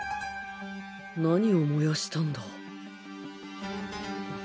何を燃やしたんだ？